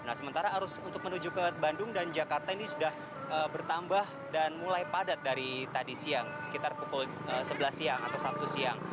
nah sementara arus untuk menuju ke bandung dan jakarta ini sudah bertambah dan mulai padat dari tadi siang sekitar pukul sebelas siang atau sabtu siang